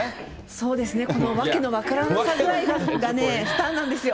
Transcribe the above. そうですね、この訳の分からなさ具合がスターなんですよ。